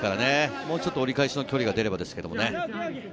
もうちょっと折り返しの距離が出ればですけどね。